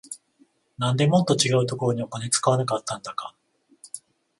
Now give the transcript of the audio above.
なんでもっと違うところにお金使わなかったんだか